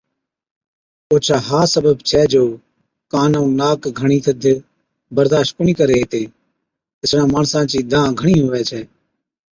اوڇا ها سبب ڇَي جو ڪان ائُون ناڪ گھڻِي ٿڌ برداشت ڪونهِي ڪري هِتي۔ اِسڙان ماڻسان چِي دانهن گھڻِي هُوَي ڇَي۔